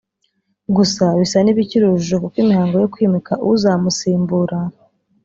Gusa bisa n’ibikiri urujijo kuko imihango yo kwimika uzamusimbura